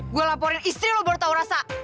gue laporin istri lo baru tau rasa